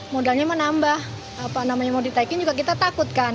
modalnya menambah apa namanya mau ditaikin juga kita takutkan